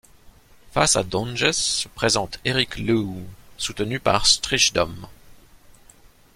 Face à Dönges se présente Eric Louw, soutenu par Strijdom.